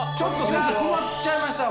困っちゃいましたよ